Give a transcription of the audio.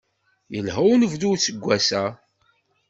Ilha unebdu n useggas-a.